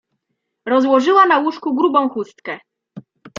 Rozłożyła na łóżku grubą chustkę.